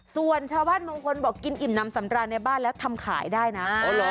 ส่วนชาวบ้านบางคนบอกกินอิ่มน้ำสำราญในบ้านแล้วทำขายได้นะ